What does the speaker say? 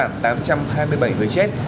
giảm tám trăm hai mươi bảy người chết